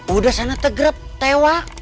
udah sana tegrep tewa